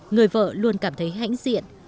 người vợ luôn cảm thấy hãnh diện